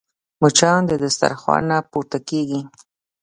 مچان د دسترخوان نه پورته کېږي